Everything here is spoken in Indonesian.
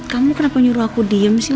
kamu kenapa nyuruh aku diem sih